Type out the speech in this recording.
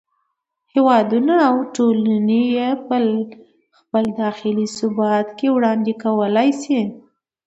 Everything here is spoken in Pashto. هېوادونه او ټولنې یې په خپل داخلي ثبات کې وړاندې کولای شي.